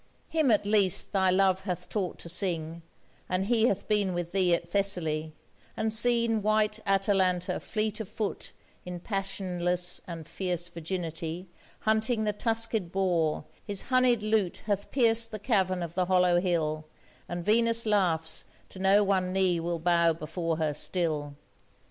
him at least thy love hath taught to sing, And he hath been with thee at Thessaly, And seen white Atalanta fleet of foot In passionless and fierce virginity Hunting the tuskèd boar, his honied lute Hath pierced the cavern of the hollow hill, And Venus laughs to know one knee will bow before her still.